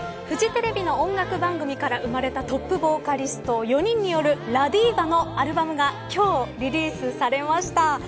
フジテレビの音楽番組から生まれたトップボーカリスト４人によるＬＡＤＩＶＡのアルバムが今日リリースされました。